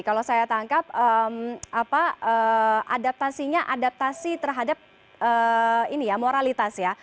kalau saya tangkap adaptasinya adaptasi terhadap moralitas ya